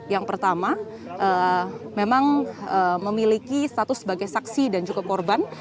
yang pertama memang memiliki status sebagai saksi dan juga korban